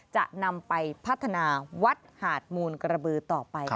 จะนำไปพัฒนาวัดหาดมูลกระบือต่อไป